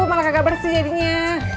malah gak bersih jadinya